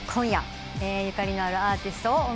ゆかりのあるアーティストをお迎えしました。